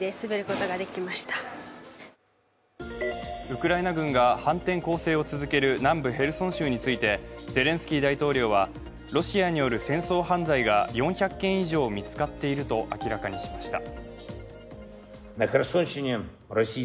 ウクライナ軍が反転攻勢を続ける南部ヘルソン州についてゼレンスキー大統領は、ロシアによる戦争犯罪が４００件以上見つかっていると明らかにしました。